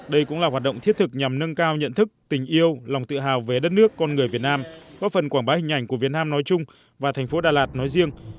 đây cũng là hoạt động thiết thực nhằm nâng cao nhận thức tình yêu lòng tự hào về đất nước con người việt nam góp phần quảng bá hình ảnh của việt nam nói chung và thành phố đà lạt nói riêng